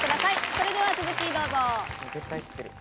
それでは続きをどうぞ。